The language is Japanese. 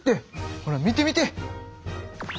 ほら見て見て。